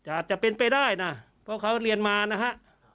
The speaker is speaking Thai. อาจจะเป็นไปได้นะเพราะเขาเรียนมานะฮะ